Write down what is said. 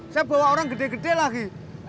saya bawa orang gede gede lagi